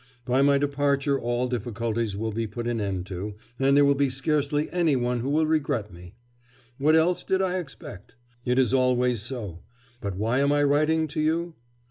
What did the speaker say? By my departure all difficulties will be put an end to, and there will be scarcely any one who will regret me. What else did I expect?... It is always so, but why am I writing to you?